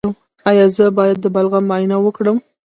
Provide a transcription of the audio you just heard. ایا زه باید د بلغم معاینه وکړم؟